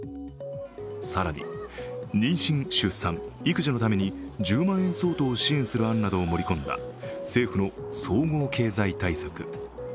更に妊娠・出産・育児のために１０万円相当を支援する案などを盛り込んだ政府の総合経済対策。